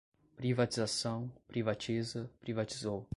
Privatização, privatiza, privatizou